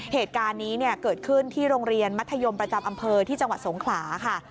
เหตุการณ์นี้เกิดขึ้นที่โรงเรียนมัธยมประจำอำเภอที่จังหวัดสงขลาค่ะ